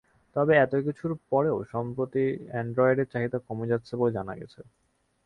তবে এতকিছুর পরও সম্প্রতি অ্যান্ড্রয়েডের চাহিদা কমে যাচ্ছে বলে জানা গেছে।